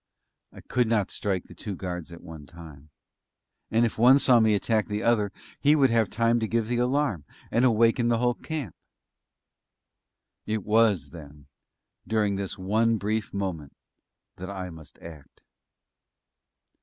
I could not strike the two guards at one time; and if one saw me attack the other he would have time to give the alarm, and awaken the whole camp. It was, then, during this one brief moment that I must act.